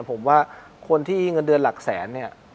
ผมว่าคนที่มีเงินเดือนหลักแสน